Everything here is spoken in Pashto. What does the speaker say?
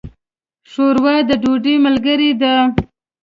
ښوروا د ډوډۍ ملګرې ده.